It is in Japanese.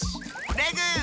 レグ！